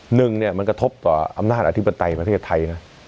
หนึ่งเนี่ยมันกระทบต่ออำนาจอธิปไตยประเทศไทยนะ